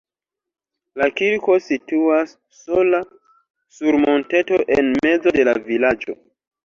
La kirko situas sola sur monteto en mezo de la vilaĝo.